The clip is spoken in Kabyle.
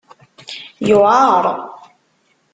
Yuɛeṛ.